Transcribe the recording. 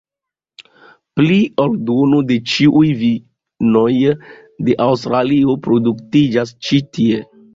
Pli ol duono de ĉiuj vinoj de Aŭstralio produktiĝas ĉi tie.